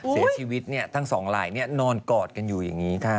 เสียชีวิตทั้งสองลายนอนกอดกันอยู่อย่างนี้ค่ะ